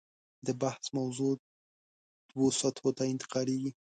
د بحث موضوع دوو سطحو ته انتقالېږي.